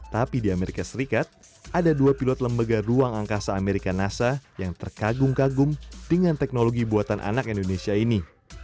tapi di amerika serikat ada dua pilot lembaga ruang angkasa amerika nasa yang terkagum kagum dengan teknologi buatan anak indonesia ini